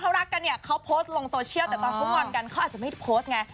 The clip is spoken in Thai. เขารักกันเนี่ยเขาโพสต์ลงโซเชียลแต่ตอนเขางอนกันเขาอาจจะไม่โพสต์ไง